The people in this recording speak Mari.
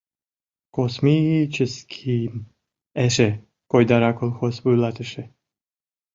— Косми-ическийым эше... — койдара колхоз вуйлатыше.